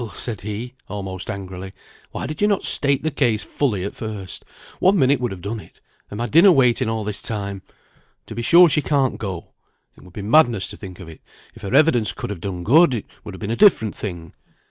said he, almost angrily, "why did you not state the case fully at first? one minute would have done it, and my dinner waiting all this time. To be sure she can't go, it would be madness to think of it; if her evidence could have done good, it would have been a different thing.